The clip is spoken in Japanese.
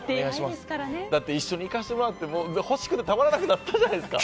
だって、一緒に行かせてもらって欲しくてたまらなくなったじゃないですか。